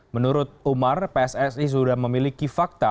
menurut umar pssi sudah memiliki fakta